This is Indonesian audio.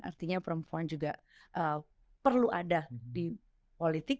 artinya perempuan juga perlu ada di politik